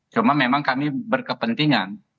cuma memang kami berkepentingan